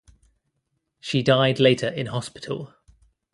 She died later in hospital.